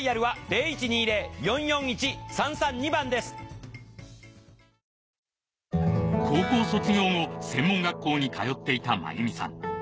すると高校卒業後専門学校に通っていたマユミさん